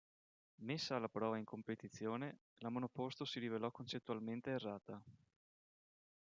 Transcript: Messa alla prova in competizione, la monoposto si rivelò concettualmente errata.